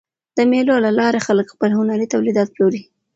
د مېلو له لاري خلک خپل هنري تولیدات پلوري.